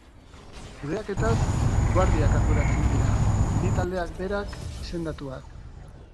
Kudeaketaz guardiak arduratzen dira, mendi taldeak berak izendatuak.